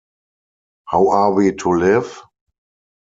How Are We to Live?